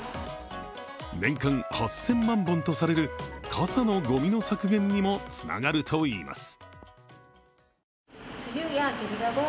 年間８０００万本とされる、傘のごみの削減にもつながるといいます。